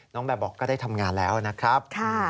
แบบบอกก็ได้ทำงานแล้วนะครับ